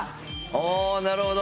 あなるほど。